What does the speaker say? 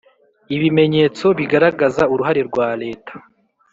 ibimenyetso bigaragaza uruhare rwa Leta